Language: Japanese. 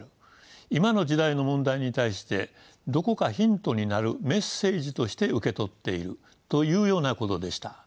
「今の時代の問題に対してどこかヒントになるメッセージとして受け取っている」というようなことでした。